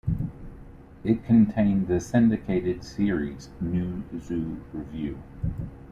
It contained the syndicated series "New Zoo Revue".